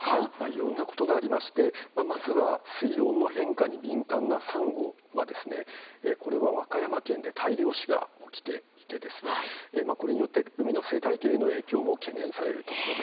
いろんなことがありましてまずは、水温の変化に敏感なサンゴは和歌山県で大量死が起きていてこれによって海の生態系への影響も懸念されると。